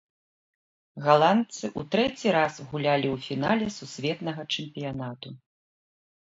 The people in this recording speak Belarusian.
Галандцы ў трэці раз гулялі ў фінале сусветнага чэмпіянату.